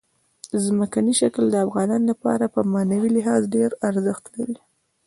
ځمکنی شکل د افغانانو لپاره په معنوي لحاظ ډېر ارزښت لري.